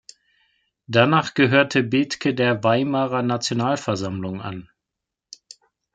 Danach gehörte Bethke der Weimarer Nationalversammlung an.